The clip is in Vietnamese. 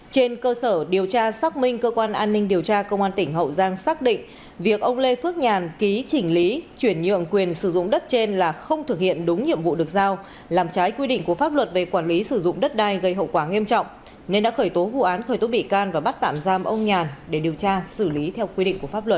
trên cơ sở điều tra xác minh cơ quan an ninh điều tra công an tỉnh hậu giang xác định việc ông lê phước nhàn ký chỉnh lý chuyển nhượng quyền sử dụng đất trên là không thực hiện đúng nhiệm vụ được giao làm trái quy định của pháp luật về quản lý sử dụng đất đai gây hậu quả nghiêm trọng nên đã khởi tố vụ án khởi tố bị can và bắt tạm giam ông nhàn để điều tra xử lý theo quy định của pháp luật